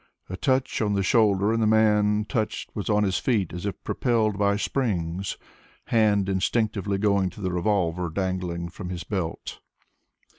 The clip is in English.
A touch on the shoulder and the man touched was on his feet as if propelled by springs, hand instinctively going to the revolver dangling from his belt.